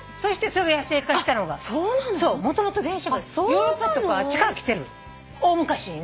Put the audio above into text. ヨーロッパとかあっちから来てる大昔にね。